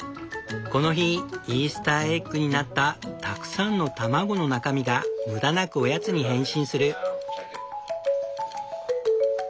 この日イースターエッグになったたくさんの卵の中身が無駄なくおやつに変身する。